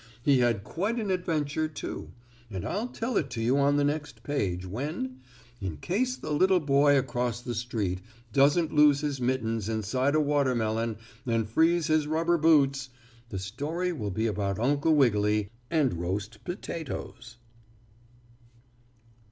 He had quite an adventure, too, and I'll tell it to you on the next page, when, in case the little boy across the street doesn't lose his mittens inside a watermelon and freeze his rubber boots, the story will be about Uncle Wiggily and roast potatoes.